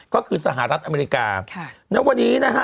ก็คือสหรัฐอเมริกาค่ะณวันนี้นะฮะ